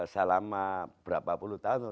selama berapa puluh tahun